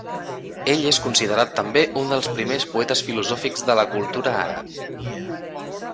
Ell és considerat també un dels primer poetes filosòfics de la cultura àrab.